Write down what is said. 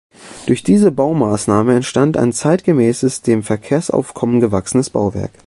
Durch diese Baumaßnahme entstand ein zeitgemäßes, dem Verkehrsaufkommen gewachsenes Bauwerk.